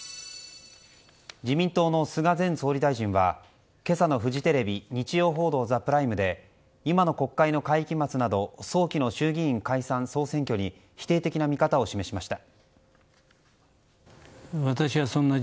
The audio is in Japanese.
自民党の菅前総理大臣は今朝のフジテレビ「日曜報道ＴＨＥＰＲＩＭＥ」で今の国会の会期末など早期の衆議院解散総選挙に否定的な見方を示しました。